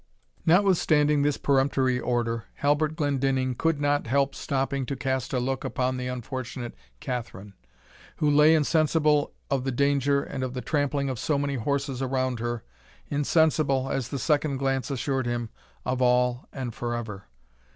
Notwithstanding this peremptory order, Halbert Glendinning could not help stopping to cast a look upon the unfortunate Catherine, who lay insensible of the danger and of the trampling of so many horses around her, insensible, as the second glance assured him, of all and forever.